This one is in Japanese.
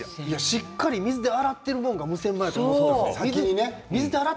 しっかり水で洗ってるのが無洗米だと思っていました。